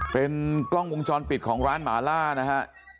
เป็นกล้องวงจรปิดของร้านหมาล่านะฮะ